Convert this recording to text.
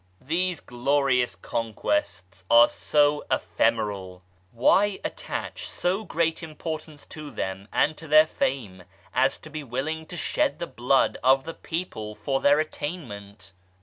These glorious conquests are so ephemeral ! Why attach so great importance to them and to their fame, as to be willing to shed the blood of the people for their attainment